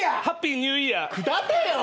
ハッピーニューイヤー。